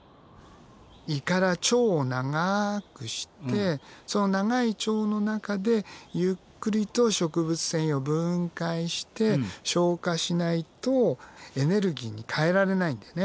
胃から腸を長くしてその長い腸の中でゆっくりと食物繊維を分解して消化しないとエネルギーに変えられないんだよね。